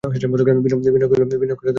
বিনয় কহিল, তা হলেই যথেষ্ট হবে মা!